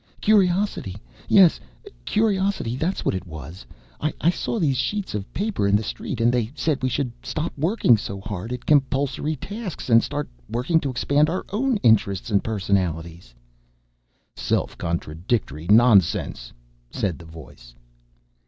"Curiosity. Yes, curiosity, that's what it was. I saw these sheets of paper in the street and they said we should stop working so hard at compulsory tasks and start working to expand our own interests and personalities." "Self contradictory nonsense!" said the voice.